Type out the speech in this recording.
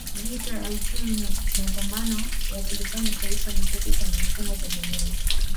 Vita ya uchumi ni mapambano ya kulifanya Taifa litoke kwenye mfumo tegemezi